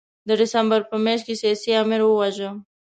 د ډسمبر په میاشت کې سیاسي آمر وواژه.